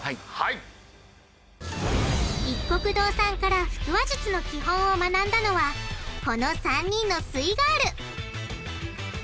いっこく堂さんから腹話術の基本を学んだのはこの３人のすイガール！